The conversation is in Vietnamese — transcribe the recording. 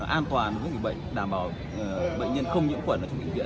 an toàn với những bệnh đảm bảo bệnh nhân không những khuẩn ở trong bệnh viện